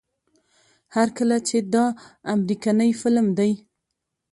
هر کله چې دا امريکنے فلم دے